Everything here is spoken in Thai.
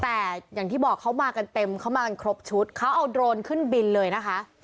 แต่อย่างที่บอกเขามากันเต็มเขามากันครบชุดเขาเอาโดรนขึ้นบินเลยนะคะ